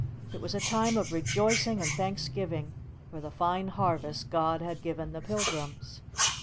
It was a time of rejoicing and thanksgiving for the fine harvest God had given the Pilgrims.